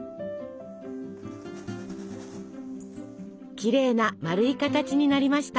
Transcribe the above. きれいな丸い形になりました。